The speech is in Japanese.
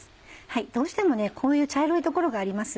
どうしてもこういう茶色い所があります。